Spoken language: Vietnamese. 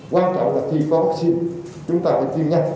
quan trọng là khi có vaccine chúng ta phải tiêm nhanh